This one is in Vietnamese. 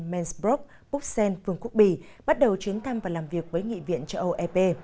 mansbrook puxen vùng quốc bì bắt đầu chuyến thăm và làm việc với nghị viện châu âu ep